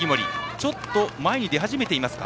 ちょっと前に出始めていますか。